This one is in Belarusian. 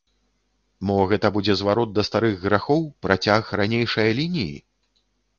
Мо гэта будзе зварот да старых грахоў, працяг ранейшае лініі?